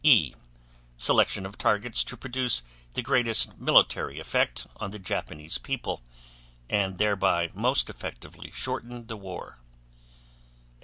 E. Selection of targets to produce the greatest military effect on the Japanese people and thereby most effectively shorten the war.